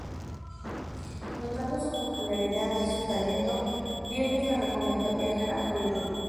Notando su popularidad y su talento, Bernie le recomendó viajar a Hollywood.